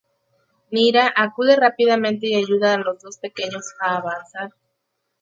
Neera acude rápidamente y ayuda a los dos pequeños a avanzar.